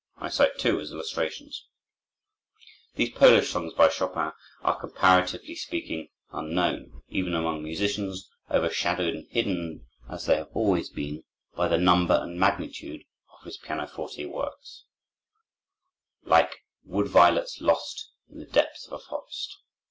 I cite two as illustrations: These Polish songs by Chopin are, comparatively speaking, unknown, even among musicians, overshadowed and hidden as they have always been by the number and magnitude of his pianoforte works, like wood violets lost in the depths of a forest.